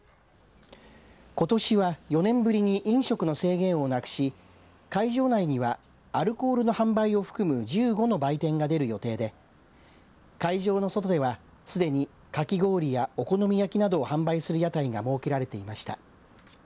ことしは４年ぶりに飲食の制限をなくし会場内にはアルコールの販売を含む１５の売店が出る予定で会場の外では、すでにかき氷やお好み焼きなどを販売する屋台が設けられていました。